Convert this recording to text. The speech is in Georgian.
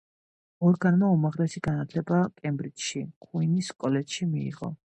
მორგანმა უმაღლესი განათლება კემბრიჯში, ქუინს კოლეჯში მიიღო.